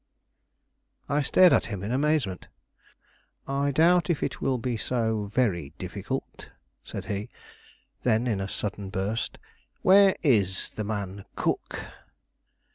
I stared at him in amazement. "I doubt if it will be so very difficult," said he. Then, in a sudden burst, "Where is the man Cook?"